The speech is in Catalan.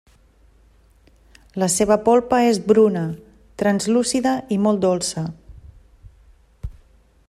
La seva polpa és bruna, translúcida i molt dolça.